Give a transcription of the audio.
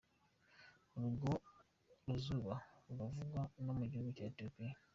Urwo ruzuba ruravugwa no mu gihugu ca Ethiopia.